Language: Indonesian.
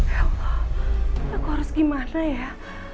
ya allah aku harus gimana ya